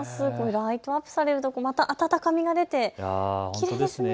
ライトアップされるとまた温かみが出てきれいですね。